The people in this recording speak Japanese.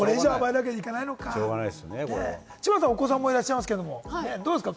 知花さん、お子さんもいらっしゃいますけれども、どうですか？